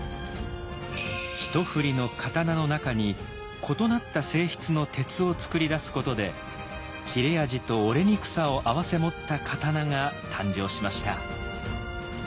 一振りの刀の中に異なった性質の鉄を作り出すことで切れ味と折れにくさを併せ持った刀が誕生しました。